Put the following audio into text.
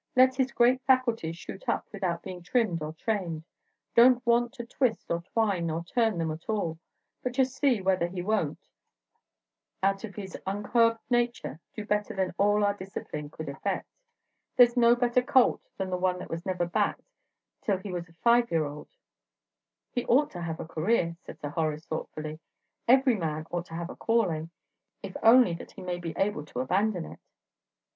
Let his great faculties shoot up without being trimmed or trained; don't want to twist or twine or turn them at all, but just see whether he won't, out of his uncurbed nature, do better than all our discipline could effect. There's no better colt than the one that was never backed till he was a five year old." "He ought to have a career," said Sir Horace, thoughtfully. "Every man ought to have a calling, if only that he may be able to abandon it."